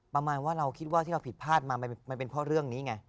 ประมาณว่าเราคิดว่าที่เราผิดพลาดมามันเป็นเพราะเรื่องนี้ไง